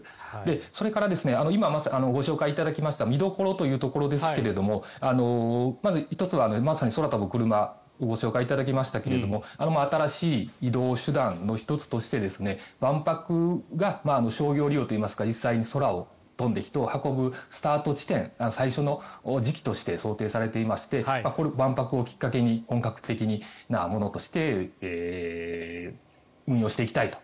それから今、ご紹介いただきました見どころというところですがまず１つはまさに空飛ぶクルマご紹介いただきましたがあれも新しい移動手段の１つとして万博が商業利用といいますか実際に空を飛んで人を運ぶスタート地点最初の時期として想定されていましてこれ、万博をきっかけに本格的なものとして運用していきたいと。